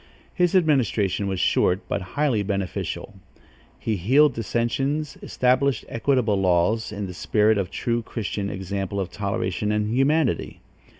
His administration was short, but highly beneficial. He healed dissensions, established equitable laws, in the spirit of a true Christian example of toleration and humanity.